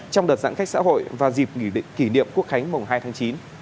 trong đợt giãn khách xã hội và dịp kỷ niệm quốc khánh mồng hai tháng chín